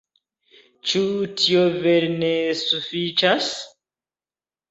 Ĉu tio vere ne sufiĉas?